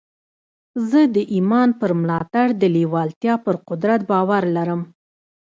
زه د ایمان پر ملاتړ د لېوالتیا پر قدرت باور لرم